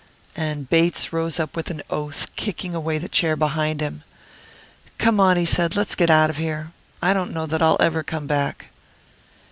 And Bates rose up with an oath, kicking away the chair behind him. "Come on," he said; "let's get out of here. I don't know that I'll ever come back."